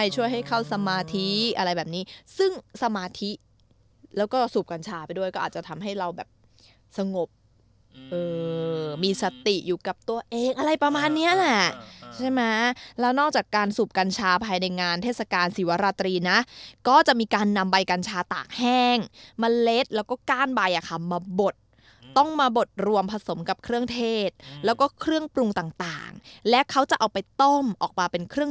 ช่วยให้เขาสมาธิอะไรแบบนี้ซึ่งสมาธิแล้วก็สูบกัญชาไปด้วยก็อาจจะทำให้เราแบบสงบมีสติอยู่กับตัวเองอะไรประมาณเนี้ยแหละใช่ไหมแล้วนอกจากการสูบกัญชาภายในงานเทศกาลศิวราตรีนะก็จะมีการนำใบกัญชาตากแห้งเมล็ดแล้วก็ก้านใบอ่ะค่ะมาบดต้องมาบดรวมผสมกับเครื่องเทศแล้วก็เครื่องปรุงต่างและเขาจะเอาไปต้มออกมาเป็นเครื่อง